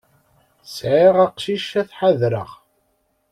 Sεiɣ aqcic ad t-ḥadreɣ.